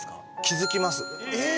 気づきます